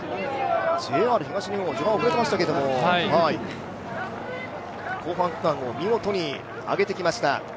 ＪＲ東日本は序盤遅れていましたけれども、後半区間見事に上げてきました。